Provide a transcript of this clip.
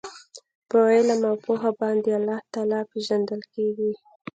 په علم او پوهه باندي الله تعالی پېژندل کیږي